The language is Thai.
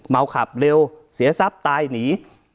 เมาขับเร็วเสียทรัพย์ตายหนี